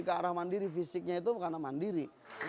kearah mandiri fisiknya itu karena mandiri